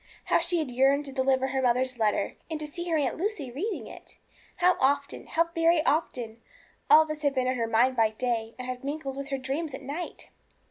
How she had yearned to deliver her mother's letter, and to see her Aunt Lucy reading it! How often how very often, all this had been in her mind by day, and had mingled with her dreams at night!